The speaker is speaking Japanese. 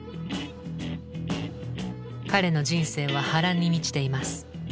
彼の人生は波乱に満ちています。